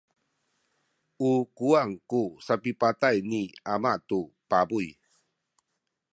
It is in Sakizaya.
u kuwang ku sapipatay ni ama tu pabuy.